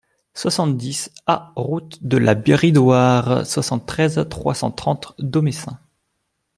soixante-dix A route de la Bridoire, soixante-treize, trois cent trente, Domessin